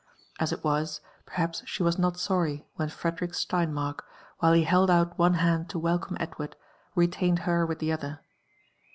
As it was, perhaps she was not sorry when Frederick Steinmark, while he held out one band to welcome Edward, retained her with the other.